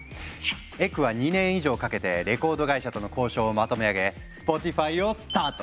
エクは２年以上かけてレコード会社との交渉をまとめ上げ「スポティファイ」をスタート！